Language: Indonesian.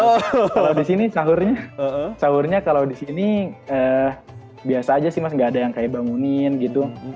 kalau di sini sahurnya kalau di sini biasa aja sih mas nggak ada yang kayak bangunin gitu